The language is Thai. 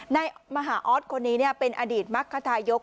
นายมหาออศคนนี้เนี่ยเป็นอดีตมรรคธายก